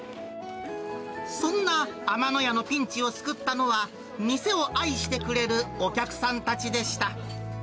そんな天野屋のピンチを救ったのは、店を愛してくれるお客さんたちでした。